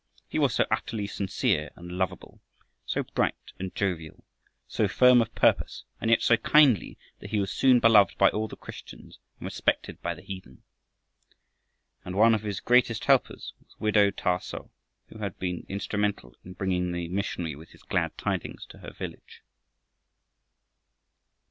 He was so utterly sincere and lovable, so bright and jovial, so firm of purpose and yet so kindly, that he was soon beloved by all the Christians and respected by the heathen. And one of his greatest helpers was widow Thah so, who had been instrumental in bringing the missionary with his glad tidings to her village.